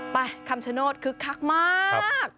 คำชโนธคึกคักมาก